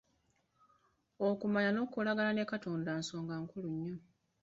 Okumanya n’okukolagana ne katonda nsonga nkulu nnyo.